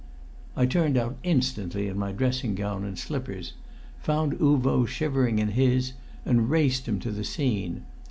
I turned out instantly in my dressing gown and slippers, found Uvo shivering in his, and raced him to the scene.